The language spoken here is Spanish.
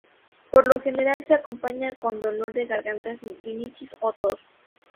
Por lo general se acompaña con dolor de garganta sin rinitis o tos.